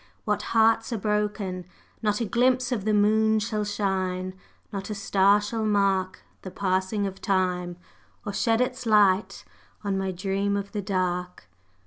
What hearts are broken! Not a glimpse of the moon shall shine, Not a star shall mark The passing of night, or shed its light On my Dream of the Dark!